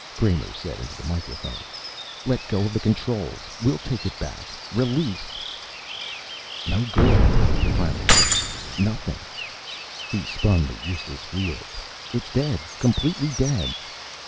Kramer said into the microphone. "Let go of the controls! We'll take it back. Release." "No good," the Pilot said. "Nothing." He spun the useless wheel. "It's dead, completely dead."